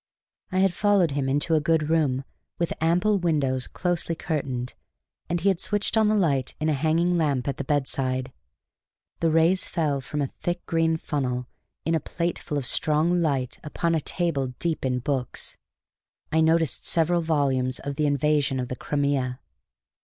I had followed him into a good room, with ample windows closely curtained, and he had switched on the light in a hanging lamp at the bedside. The rays fell from a thick green funnel in a plateful of strong light upon a table deep in books. I noticed several volumes of the "Invasion of the Crimea."